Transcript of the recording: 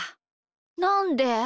なんで？